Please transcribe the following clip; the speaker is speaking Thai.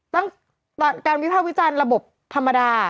ตอนการวิภาควิจารณ์ระบบธรรมดา